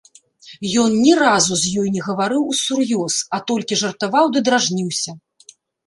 Ён ні разу з ёй не гаварыў усур'ёз, а толькі жартаваў ды дражніўся.